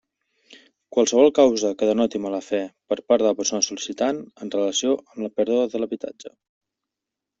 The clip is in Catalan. Qualsevol causa que denoti mala fe per part de la persona sol·licitant, en relació amb la pèrdua de l'habitatge.